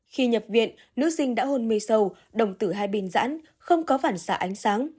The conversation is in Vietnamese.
khi nhập viện nữ sinh đã hôn mê sâu đồng tử hai pin rãn không có phản xạ ánh sáng